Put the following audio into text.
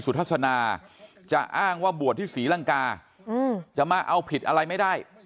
ทัศนาจะอ้างว่าบวชที่ศรีลังกาจะมาเอาผิดอะไรไม่ได้